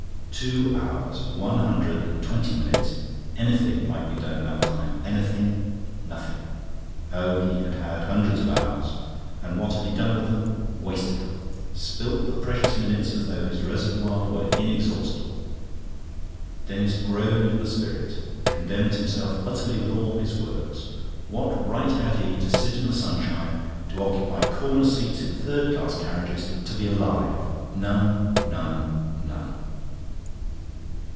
Two hours. One hundred and twenty minutes. Anything might be done in that time. Anything. Nothing. Oh, he had had hundreds of hours, and what had he done with them? Wasted them, spilt the precious minutes as though his reservoir were inexhaustible. Denis groaned in the spirit, condemned himself utterly with all his works. What right had he to sit in the sunshine, to occupy corner seats in third class carriages, to be alive? None, none, none.